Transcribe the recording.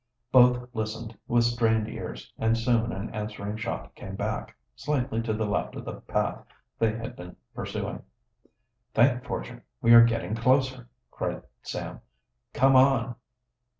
Both listened with strained ears, and soon an answering shot came back, slightly to the left of the path they had been pursuing. "Thank fortune, we are getting closer!" cried Sam. "Come on!"